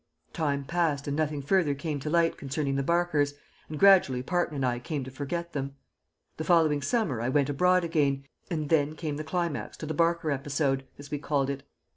Time passed and nothing further came to light concerning the Barkers, and gradually Parton and I came to forget them. The following summer I went abroad again, and then came the climax to the Barker episode, as we called it.